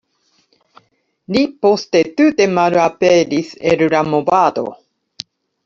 Li poste tute malaperis el la movado.